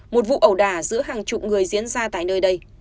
một vụ ẩu đả giữa hàng chục người diễn ra tại nơi đây